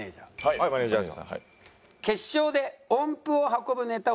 はいマネジャーさん。